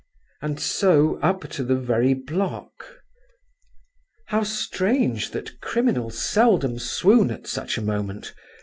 And so up to the very block. "How strange that criminals seldom swoon at such a moment!